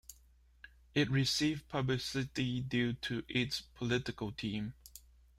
It received publicity due to its political theme.